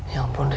ya ampun ri